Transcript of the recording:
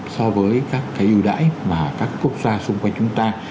so với các cái ưu đãi mà các quốc gia xung quanh chúng ta